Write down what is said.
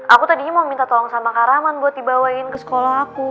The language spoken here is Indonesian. aku tadinya mau minta tolong sama kak rahman buat dibawain ke sekolah aku